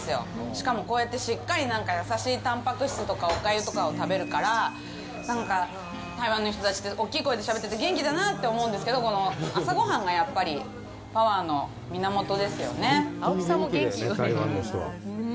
しかも、こうやって、しっかり優しいたんぱく質とか、おかゆとかを食べるから、台湾の人たちって大きい声でしゃべってて元気だなって思うんですけど、この朝ごはんがやっぱりパワーの源ですよね。